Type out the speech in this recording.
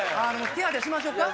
手当てしましょか？